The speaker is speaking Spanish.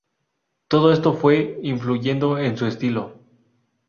Todo esto fue influyendo en su estilo.